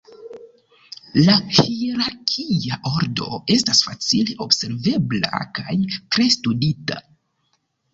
La hierarkia ordo estas facile observebla kaj tre studita.